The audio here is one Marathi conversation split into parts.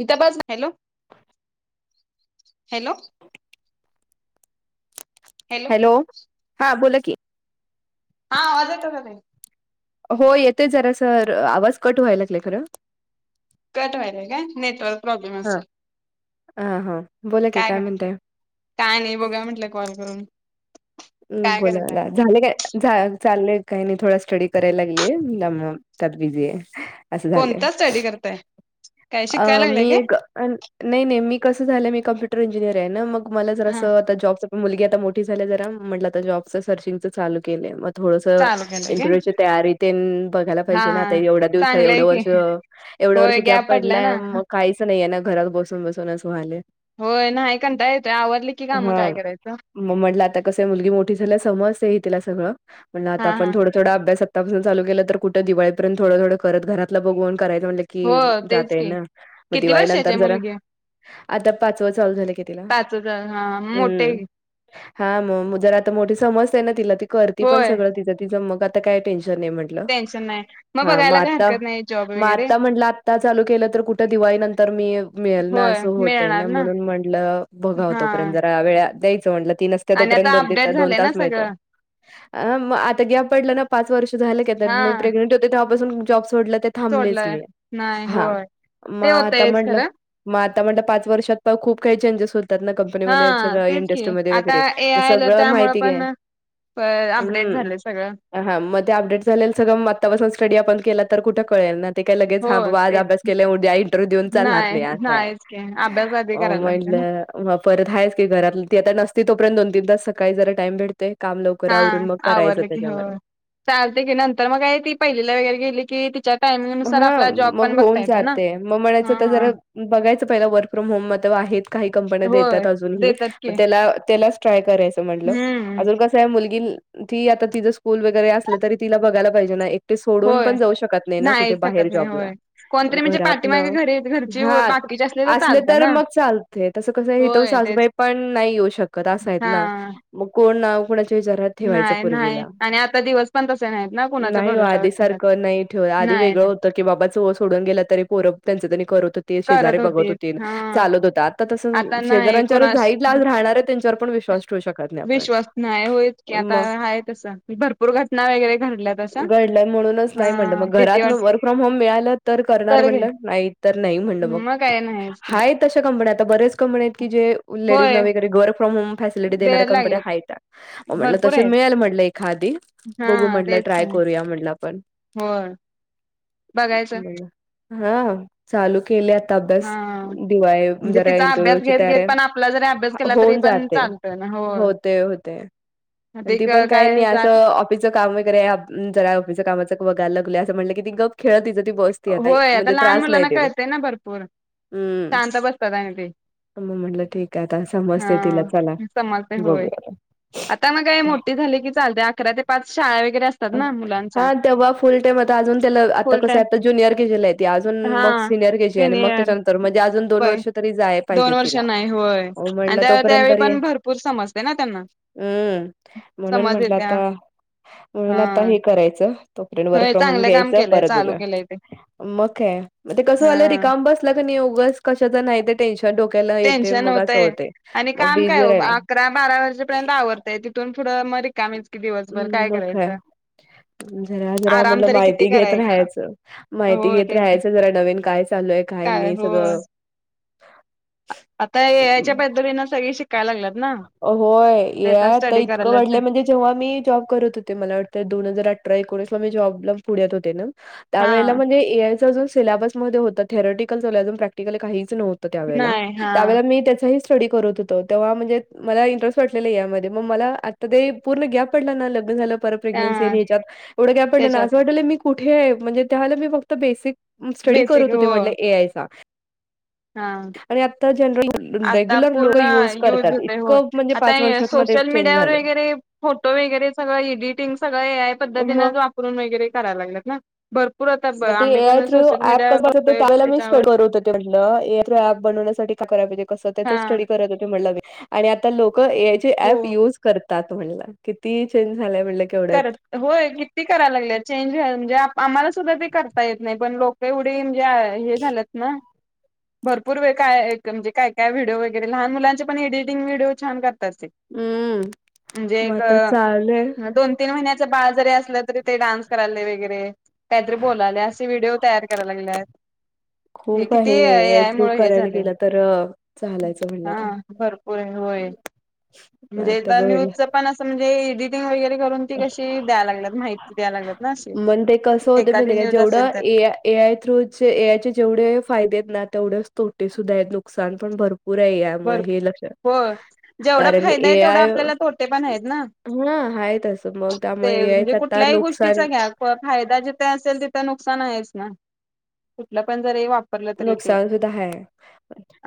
हितं बस ना, हॅलो [unintelligible] हॅलो हॅलो, हा बोला की हा आवाज येतोय का ताई हो येतय जरास र आवाज कट व्हायला लागलाय खरं कट व्हाय नाही काय नेटवर्क प्रॉब्लेम असलं अ हा बोला की काय गं म्हणताय काय नाही बघूया म्हटलं कॉल करून हम्म काय बोला करायलाय बोला झालं काय झा चाल्लंय काही नाही थोडा स्टडी करायला लागलीये त्यामुळं त्यात बिझी आहे असं झालंय कोणता स्टडी करताय काय अ शिकायला मी लागलाय काय एक नाही नाही मी कसं झालंय मी कॉम्पुटर ई क्लिअर आहे ना मग मला जरास हा आता जॉबचं पण मुलगी आता मोठी झाल्या जरा म्हटलं आता जॉबचं सर्चिंगचं चालू केलंय म थोडसं चालू केलंय काय इंटरव्ह्यूची तयारी तेन बघायला हा पाहिजे ना आता एवढ्या दिवसात एवढे चांगलंय की वर्ष एवढ्या वर्ष गॅप पडलाय मग काहीच नाही आहे ना घरात बसून बसून अस व्हायलंय होय नाही कंटाळा येतोय आवरली की काम काय हां. करायचं मग म्हटलं आता कसं आहे मुलगी मोठी झाल्या समजतंय घे तिला सगळं म्हंटल आता हा हा आपण थोडं थोडं अभ्यासा आत्तापासून चालू केल तर कुठं दिवाळीपर्यंत थोड थोड करतं घरातलं बघून करायच म्हंटल हो की तेच जातय की ना मग किती दिवाळी वर्षाची नंतर आहे जरा मुलगी आता पाचव चालू झालंय कि तिला पाचच हा मोठे हम्म हा म मग जर आता मोठी समजते ना तिला ती करती पण होय सगळं तिचं तिचं मग आता काय टेन्श तर मी म्हंटल टेन्शन नाही मग हा म बघायला काय आत्ता हरकत नाही जॉब म वगैरे आत्ता म्हंटल आत्ता चालू केल तर कुठं दिवा दिवाळी नंतर मी मिळेल ना होय अस होतय मिळणार ना म्हणून म्हटलं बघाव हा तोपर्यंत जरा वेळ त्या आणि तोपर्यंत आता दोन अपडेट तीन दोन झालंय ना तास मिळत्यात सगळं अ मग आता ग्याप पडलं ना पाच वर्ष झालं कि आता हा मी प्रेग्नेंट होते तेव्हापासून जॉब सो सोडलं ते थांबलेच सोडलंय मी नाही हा होय म ते आता होतयच म्हणलं खरं म आता म्हणलं पाच वर्षात पाहू खूप काही चेंजेस हो त्यातन कंपनीमध्ये आणि हा सगळ्या तेच की इंडस्ट्रीमध्ये आता वगैरे ए म आय आलं सगळ त्यामुळं माहिती घे पण अपडेट हम्म झालंय सगळं हा म ते अपडेट झालेल सगळं म आत्तापासन स्टडी आपण कॉल केला तर कुठे कळेल ना ते काय लगेच हो हा बाबा आज तेच अभ्यास केला उद्या इंटरव्ह्यू देऊन चालणार नाही असं आहे नाहीच की अभ्यास आधी अ करायला लागतोय ना म्हटलं म परत हायचं की घरातल ती आता नसती परत दोन तीन तास सकाळी जरा टाइम भेटतोय हा आवरलं की हो चालतय की नंतर मग काय ती पहिलीला वगैरे गेली की ती हा मग होऊन ना जाते मग म्हणायचं तर हा जरा बघायचं पहिलं वर्क फ्रॉम होम म तव आहेत काही कंपन्या होय देतात अजून देतात की हीतेला त्याला ट्राय करायचं रायच म्हटल हम्म अजून कस आहे मुली ती आता तिचं स्कूल वगैरे असलं तरी तिला बघायला पाहिजे ना एकटे सोडून होय पण जाऊ शकत नाही ना बाहे शकत नाही जॉबला होय. कोणतरी म्हणजे घरात न पाठीमागे घरी घरची हा बाकीचे असले चालतं तर ना. मग चालते त कस होय तेच सासूबाई पण नाही येऊ शकत असाय ना हा. कोण ना. ठेवायच नाही पोरगी नाही ला आणि आता दिवस पण तसे नाहीत ना कुणाच्या नाही भरोशावर आधी सारख ठेवायला नाही ठेव. नाही वेगळ ते. होतं की बाबा चो सोडून गेला तरी पोर त्यांचनी करत. शेज करत बघत होतीत हा चालत होत आता तस आता नाही शेजऱ्यांच्या च्या कोणास साईट ला च राहणार पण विश्वास ठेवू शकत नाही आपण विश्वास नाही होईच की आता मग आहे तस भरपूर घटना वगैरे घडल्या. तशा. घडलंय म्हणूनच नाही म्हणलं हा मग भीती घरात वाटते वर्क फ्रॉम होम मिळालं तर करणार म्हटलं नाही तर नाही म्हणलं. मग काय नाहीच की आता बऱ्याच कंपन्या आहेत की जे लेडीज ला होय. वगैरे वर्कर फ्रॉम होम. फेसलेएटी देणाऱ्या द्यायला कंपन्या लागलेत आहेता भरपूर तसे आहेत मिळेल म्हणलं. खादीी बघू म्हटलं ट्राय करूया म्हटलं पण. हो बघायचं. हा हा चालूच् केले आता अभ्यास हा. दिवाळी म्हणजे जरा तिचा अभ्यास इंटरव्ह्यूची घेत घेत पण आपला जरी अभ्यास [inaudible] केला तरी होऊन पण जाते. चालतं ना हो होते होते. आणि ते ती पण काही काय नाही जात असं ऑफिसचं काम वगैरे जरा ऑफिस कामाचं [inaudible] करा लागलोय असं म्हटलं की गप्प खेळ तिज तिज होय आता लहान मुलांना कळतंय ना भरपूर, हम्म शांत बसतात आणि ते. मग म्हटलं ठीक आहे आता समजते तिला हा चला समजतंय होय, आता मग काय मोठी झाले की चालतंय. अकरा ते पाच शाळा वगैरे असतात ना हा मुलांच्या तेव्हा फुल टाइम आता अजून त्याला आता फुल कसं टाइम आता जु ज्युनियर केजीला आहे ते अजून हा मग सिनियर के जी आणि मग सिनियर त्याच्यानंतर म्हणजे अजून दोन होय वर्ष तरी जाय दोन पाहिजेत वर्ष तिला. नाही होय आणि म्हणलं त्या तोपर्यंत त्यावेळी तरी पण भरपूर समजते ना त्यांना. हम्म म्हणून समज म्हटलं येत्या आता. [unintelligible] म्हणून आता हे करायचं तो फ्रेंड वर्क होय फ्रॉम होम चांगलं काम घ्यायचा केलंय परत चालू बघुया. केलंय ते मग काय, मग ते कसं झालं हा रिकामं बसला क नाय उगच कशाचं नाही ते टेन्शन डोक टेन्शन होतंय आणि काम काय बिझी ओ राहिला अकरा बारा वाजेपर्यंत आवरतय ति थून पुढं म रिकामीच की दिवसभर हं, काय मग करायचं? जरा जरा आराम म्हणलं तरी किती माहिती घेत करायचा राहायचं, माहिती होय घेत तेच की राहायचं जरा नवीन काय चालू काही काय नाही होय. सगळं आता एआयच्या पद्धतीने सगळी शिक होय एआय आता स्टडी इतकं करायलाच वाढलं म्हणजे जेव्हा मी जॉब करत होते मला वाटतं दोन हजार अठ आठरा एकोणीसला मी जॉबला पुण्यात होते ना, त्यावेळेला हां. म्हणेज एआयचा जो सिल्याबस मध्ये होतं थेरॉटिकल चालू आहे अजून प्रॅक्टिकल काहीच नव्हतं त्या वेळेला, नाही हा त्याचंही स्टडी करत होतो तेव्हा म्हणजे मला इंटरेस्ट वाटलेलं यामध्ये मग मला आता ते पूर्ण गॅप पडला ना लग्न झालं. परत प्रेग्नेंसी त्या आणि हेच्यात एवढं ग्याप पडला ना त्याच्यात असं वाट मी कुठे आहे म्हणजे त्याला मी फक्त बेसिक स्टडी करत बेसिक होते हो म्हटले ए आय चा. हा जनरल आता रेग्युलर लोक पूर्ण युज करतात होतोय् होय, इतकं म्हणजे आता पाच वर्षात मध्ये सोशल चेंज मीडिया व झालंय. वगैरे फोटो वगैरे सगळं एडिटिंग सगळं ए आय पद तीनच मग वापरून वगैरे करायला लागलेत ना. भरपूर आता मग ते आम्ही ए आय पण थ्रू सोशल ऍप मीडिया कस बघतोय [inaudible] त्याच्यावर थ्रु ॲप बनवण्यासाठी काय करायला पाहिजे कसं हा त्याची स्टडी करत होतो म्हटलं आणि आता लो क ए आय ची हो ऍप युज करतात म्हनल किती चेंज झालंय. करत होय किती करायला लागलेत चेंज म्हणजे आम्हाला सुद्धा ते करता येत नाही पण लोक. एवढे म्हणजे हे झालंत ना. भरपूर वे काय म्हणजे, काय, काय व्हिडिओ वगैरे, लहान मुलांचे पण एडिटिंग व्हिडिओ छान कर करतेत, म्हणजे मग एक, आता चाललंय दोन. च बाळ जरी असलं तरी ते डान्स करायलेय वगैरे कायतरी बोलायलय असं व्हिडिओ तयार करायला लागल्यात. हे खूप किती आहे ए आय थ्रू मुळं हे करायला झालेय, गेलं तर चालायचं म्हणलं हा आता भरपूर हाय हो, होय, म्हणजे आता न्यूज पण असं म्हणजे एडीट टींग वगैरे करून ती कशी द्या लागतल्यात माहिती द्या लागल्यात. ना अशी मण ते कसं होत एखादी म्हण का.. न्यूज असेल जेवढं तर A I through A I चे जेवढे फायदेत ना तेवढेच तोटे सुद्धा आहेत, नुकसान पण भर पुरय, यामुळे हे लक्षा भरपूर जेवढा कारण फायदा आहे ए तेवढा आय, आपल्याला तोटे पण आहेत ना हा, आहे तसं मग त्यामुळ ए आय च आता नुकसान प फायदा जिथे असेल तिथे नुकसान आहेच ना, कुठलं पण जरी वाप वारलं तरी ते, नुकसान सुद्धा आहे.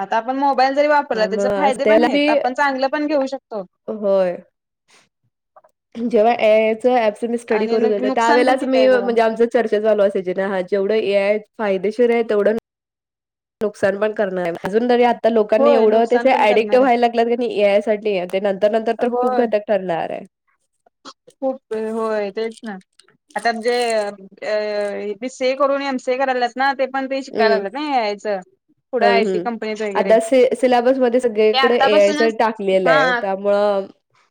आता आपण मोबा त्यामुळं आज त्याला, चांगलं पण घेऊ शकतो [inaudible] होय. जेव्हा ए आय च ऍप स्टडी आणि करत होते, नुकसान पण त्यावेळेलाच किती मी आहे बघा म्हणजे आमची चर्चा चालू असायची हा जेवढं ए आय फायदे शीर हे तेवढं नुकसान पण करणार अजून तरी आ ता लोकांनी होय एवढं त्याच नुकसान पण ऍडिकट करणार आहे व्हायल लागल्यात क नई ए आय साठी ते नं तर नंतर तर, खूप होय घातक ठरनार आय. खूप वेळ होय तेच ना आता जे अ बीसीए करून एमसीए करायल्यास ना ते पण बी शिकायला हम्म लागल्यात ना ए आय च. पुढं आहे हम्म ते हम्म कंपनीत वगैरे, आता सि सिलेबसमध्ये ते सगळीकडे ए आयच आतापसूनच टाकलेलं हा आहे त्यामुळं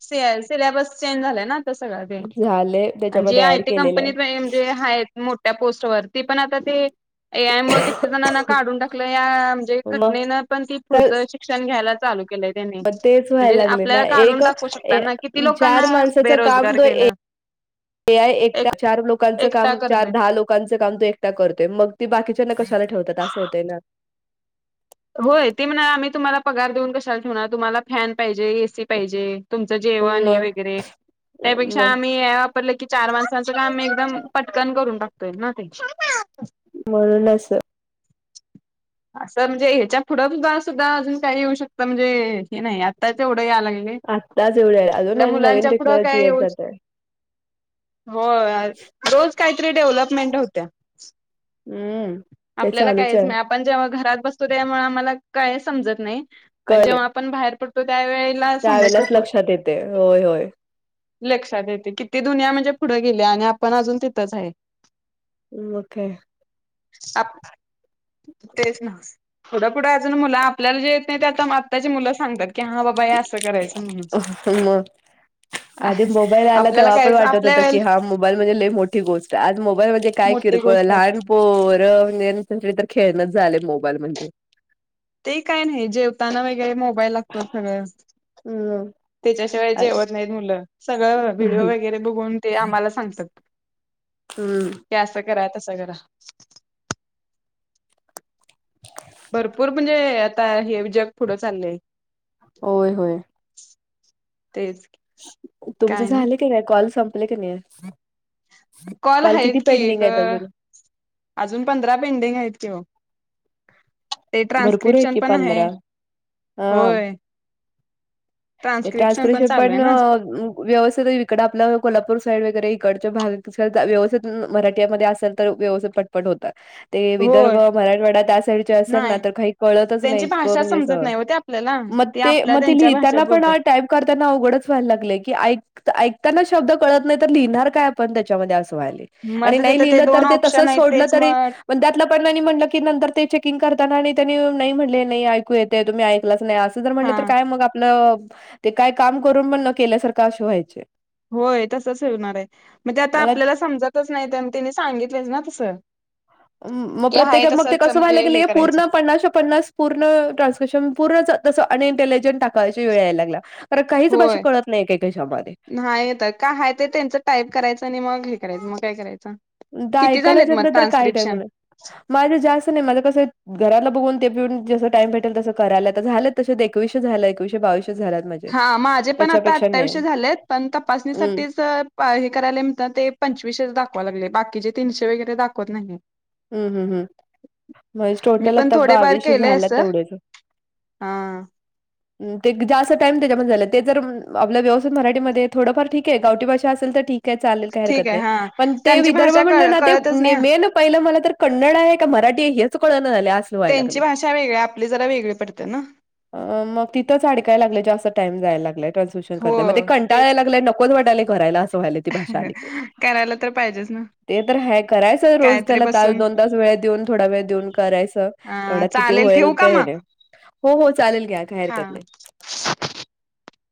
सि सिलेबस चेंज झाल्या सगळं ते झाले आणि जे त्याच्यामध्ये ऍड आयटी केलेले आहे कंपनीत म्हणजे हायत मोठ्या पोस्ट वर. ते पण आता ते ए आय मुळ किती जणांना काढून टाकलं या म्हणजे मग घटनेनं पण ती काय पुढचं शिक्षण घ्यायल्यात मग तेच व्हायला लागलय काढून एक टाकू शकतात ना किती लोकांना चार माणसाच काम बेरोजगार तो ए केलं ए आय एकटा एक चार लोकांच एकटा काम चार करलय दहा लोकांच काम तो एकटा करतोय मग ते बाकीच्याना क कशाला ठेवतात असं होतय ना. होय ते म्हणा आम्ही तुम्हाला पगार देऊन कशाला ठेवणार तुम्हाला फॅन पाहिजे, एसी पाहिजे, तुमचं जेवण हे मग वगैरे, त्यापेक्षा आम्ही ए आय वापरलं की चार मानसां काम एकदम पटकन करून टाकतोय ना ते म्हणून असं आ समज हे च्या पुढं सुद्धा सुद्धा अजून काही येऊ शकतं म्हणजे हे नाही आत्ता तेव या लागलय, आत्ताच एवढे अजून आपल्या आणि नवीन मुलांच्या पुढं टेक्नॉलॉजी काय येत यु जात आहे. होय रोज काहीतरी डेव्हलपमेंट होत्या. हम्म ते आपल्याला चालूच कायच आहे नाही, आपण जेव्हा घरात बसतो आमाला काय समजत नाही, पण कळले जेव्हा आपण बाहेर पड त्यावेळेला समजत त्यावेेळेलाच की लक्षात येते होय होय लक्षात येतेय, किती दुनिया म्हणजे पुढे गेल्या आणि आपण अजून तिथंच हाय. हं मग काय तेच ना. थोडं पुढं अजून मुलं आपल्याला जे येत नाही ते आता आत्ताची मुलं सांगतात की हा बाबा हे अस करायचं म्हण मग आधी मोबाईल आला तेव्हा पण वाटत होतं की वेळे हा मोबाईल म्हणजे लय मोठी गोष्ट हाय आज मोबाईल म्हणजे काय मोठी किरकोळ गोष्ट लहानपोरं तर खेळणंच झालय मोबाईल म्हणजे. ते काय नाही जेवताना हे मोबाईल लागतो सगळं, हम्म त्याच्याशिवाय जेवत नाहीत मुलं. सगळं व्हिडिओ वगैरे बघून ते आम्हाला सांगतात. हं की असं करा तसं करा भरपूर म्हणजे आता हे जग पुढं चाललंय. होय होय [inaudible] तुमच काय नाही झाले की नही कॉल संपले की नाही? कॉल किती हायेत की पेंडिंग एक आहेत अजून अजून पंधरा पेंडिंग आहेत की ओ ते भरपूर आहेत ट्रान्स्क्रिप्शन की पण आहे. पंधरा हा होय ते ट्रान्स्क्रिप्शन चालू पण आहे ना व्यवस्थित इकड आपलं कोल्हापूर साईड वगैरे इकडच्या भाग व्यवस्थित मराठीमध्ये असल तर व्यवस्थित पटपट होतात. ते विदर्भ होय मराठवाडा त्या साईडचे असेल ना नाही तर काही कळतच नाही त्यांची इतकं भाषा म्हणजे अस समजत नाही हो ते आपल्याला मग ते आपल्या मग ते त्यांच्या भाषेत लिहताना पण बोलतात टाईप करताना अवघडच व्हायला लागले की ऐक ऐक ताना शब्द कळत नाही तर लिहिणार काय आपण त्याच्यामध्ये अस अस व्हायलाय मग आणि आता नाही तिथं लिहिल तर दोन ते ऑप्शन तसंच आहेत सोडलं तेच तरी मग पण त्यातलं पण म्हटलं की ते चेकिंग करताना आणि त्यांनी नाही म्हटले नाही ऐकू येते तुम्ही ऐकलाच नाही असं जर म्हटले हा तर काय मग मग ते काय काम करून पण न केल्यासारखं असे व्हायचे. होय तसच हे होणार आहे मग ते आता मला आपल्याला समजतच नाही. तर त्यांनी सांगित होतेच ना तसं, मग की हाय प्रत्येक मग ते तसंच कसं व्हायला म्हणजे हे लागलंय करायचं पूर्ण पन्नासच्या पन्नास पूर्ण ट्रान्स्क्रिप्शन पूर्णच तसं अनिंतेलिजेन्ट टाकायची वेळ यायला लागल्या. होय नाहीेत का आहे ते त्यांच टाईप करायच आणि मग करायचं मग करायचं. आता किती ऐकायलाच झालेत येत मग नाही तर काय टाईप ट्रान्स्क्रिप्शन होणार. माझं जास्त नाही माझं कसं घराला बघून ते पण जस टाइम भेटेल. तस करायला आता झालं तशे एकवीसशे झालं. एकवीसशे बाविशे हा माझे पण आता अठ्ठावीशे झालेत. पण हम्म तपासणीसाठीच हे करायला म्हणताना ते पंचवीशे दाखवायला लागले. बाकीचे तीनशे वगैरे दाखवत नाही. - हम्म हम्म हम्म होय मी टोटल पण आता थोडेफार बाविशे केलंय झाल्यात असं तेवढेच हा [inaudible] ते त्या टाईम त्याच्यामध्ये झालं. तेचजर आपलं व्यवस्थित मराठीमध्ये थोडं फार ठीक आहे गावठी भाषा असेल तर ठीक आहे, काय चालेल काही ठीक हरकत आहे नाही, हा पण ते त्यांची विदर्भ भाषा म्हटलं कळ ना ते कळतच नाही मेन मला कन्नड आहे का मराठी आहे हेच झालंय असलं व्हायला त्यांची लागलंय भाषा वेगळे आपली जरा वेगळी पडते ना मग तिथंच अडकाय लागलय जास्त टाइम जायला लागलंय. ट्रान्स्क्रिप्शन हो करताय. मग ते कंटाळा तेच यायला लागलंय नकोच वाटाय लागलंय असं व्हाय लागलंय ती भाषा आली की करायला तर पाहिजेच ना ते तर आहे. करायचं रोज कायतरी त्याला तास बसून दोन तास वेळ देऊन थोडा वेळ देऊन करायचं अ तेवढ्यात किती चालेल ठेवू होईल का ते मग हो हो चालेल घ्या काही हा हरकत नाही. [inaudible]